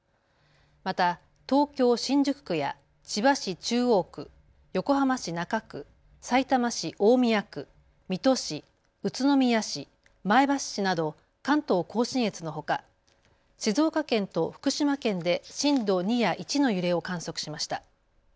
また東京新宿区や千葉市中央区、横浜市中区、さいたま市大宮区、水戸市、宇都宮市、前橋市など関東甲信越のほか静岡県と福島県で震度２や１の揺れを観測しました。